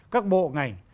các bộ ngành